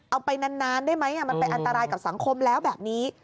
เอาไปนานได้ไหมมันเป็นอันตรายกับสังคมแล้วแบบนี้